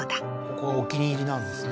ここがお気に入りなんですね